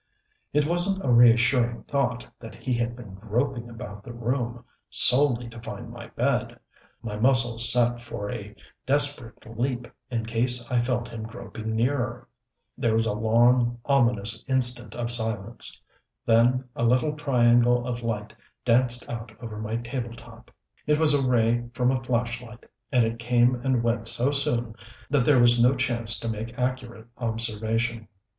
It wasn't a reassuring thought that he had been groping about the room solely to find my bed. My muscles set for a desperate leap in case I felt him groping nearer.... There was a long, ominous instant of silence. Then a little triangle of light danced out over my table top. It was a ray from a flashlight, and it came and went so soon that there was no chance to make accurate observation.